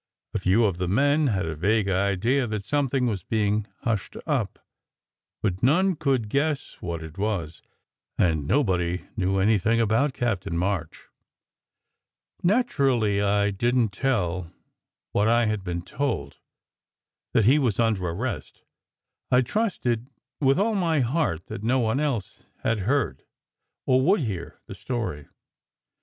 A few of the men had a vague idea that something was being "hushed up," but none could guess what it was, and no body knew anything about Captain March. Naturally I didn t tell what I had been told : that he was under arrest. I trusted with all my heart that no one else had heard, or would hear, the story.